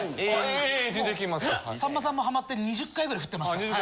さんまさんもハマって２０回ぐらい振ってました。